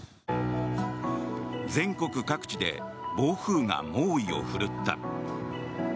全国各地で暴風が猛威を振るった。